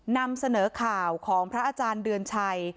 นำเสนอข่าวของพระอาจารย์เดือนชัย